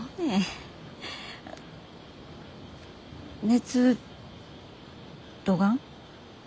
熱どがん？